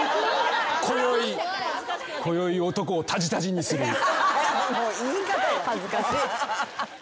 「こよい男をたじたじにする」言い方。